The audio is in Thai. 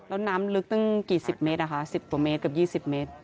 แล้วน้ำลึกตั้งกี่สิบเมตรสิบกว่าเมตรกับยี่สิบเมตร